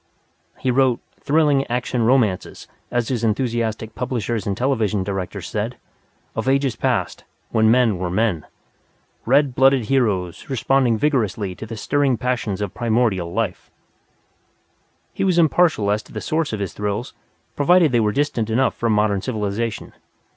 He wrote "thrilling action romances," as his enthusiastic publishers and television directors said, "of ages past, when men were men. Red blooded heroes responding vigorously to the stirring passions of primordial life!" He was impartial as to the source of his thrills provided they were distant enough from modern civilization.